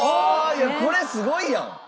いやこれすごいやん。